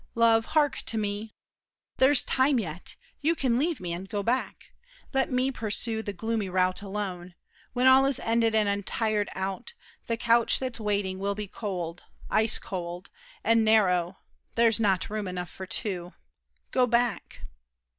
Love, hark to me! There's time yet; you can leave me and go back. Let me pursue the gloomy route alone. When all is ended and I'm tired out, The couch that's waiting will be cold—ice cold, And narrow; there's not room enough for two. Go back!